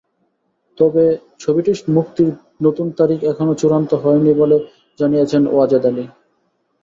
তবে ছবিটির মুক্তির নতুন তারিখ এখনো চূড়ান্ত হয়নি বলে জানিয়েছেন ওয়াজেদ আলী।